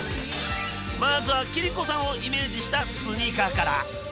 まずは貴理子さんをイメージしたスニーカーから。